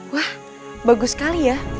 wah bagus sekali ya